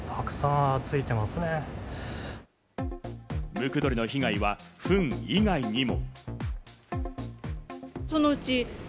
ムクドリの被害はフン以外にも。